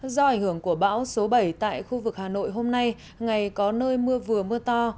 do ảnh hưởng của bão số bảy tại khu vực hà nội hôm nay ngày có nơi mưa vừa mưa to